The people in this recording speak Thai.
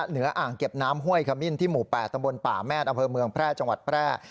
อ่างเก็บน้ำห้วยขมิ้นที่หมู่๘ตำบลป่าแมทอำเภอเมืองแพร่จังหวัดแพร่